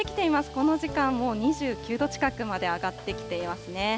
この時間もう２９度近くまで上がってきていますね。